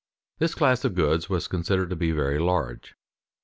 This class of goods was considered to be very large.